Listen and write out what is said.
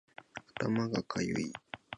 頭がかゆい